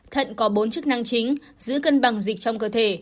thận có bốn chức năng chính giữ cân bằng dịch trong cơ thể